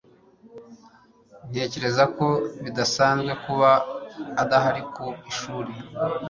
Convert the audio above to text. ntekereza ko bidasanzwe kuba adahari ku ishuri